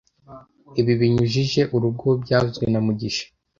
Ibi binyibukije urugo byavuzwe na mugisha